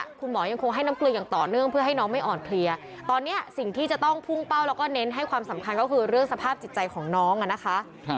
คุณหมอยังคงให้น้ำเกลืออย่างต่อเนื่องเพื่อให้น้องไม่อ่อนเพลียตอนนี้สิ่งที่จะต้องพุ่งเป้าแล้วก็เน้นให้ความสำคัญก็คือเรื่องสภาพจิตใจของน้องอ่ะนะคะ